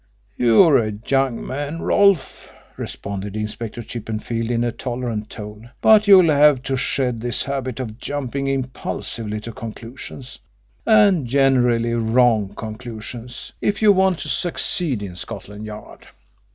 "You're a young man, Rolfe," responded Inspector Chippenfield in a tolerant tone, "but you'll have to shed this habit of jumping impulsively to conclusions and generally wrong conclusions if you want to succeed in Scotland Yard.